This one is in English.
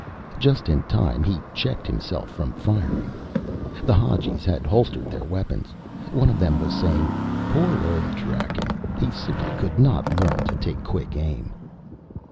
Just in time, he checked himself from firing. The Hadjis had holstered their weapons. One of them was saying, "Poor old Draken. He simply could not learn to take quick aim."